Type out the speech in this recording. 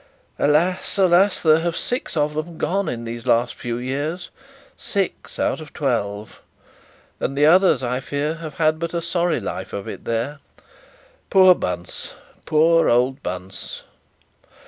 Alas! Alas! There have six of them gone in the few last years. Six out of twelve! And the others I fear have had but a sorry life of it there. Poor Bunce, poor old Bunce!'